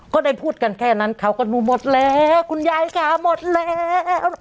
ก็ได้พูดกันแค่นั้นเขาก็ดูหมดแล้วคุณยายค่ะหมดแล้ว